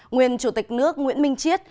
nguyên chủ tịch nước nguyễn minh chiết